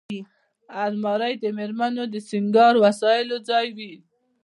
الماري د مېرمنو د سینګار وسیلو ځای وي